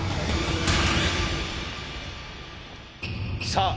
さあ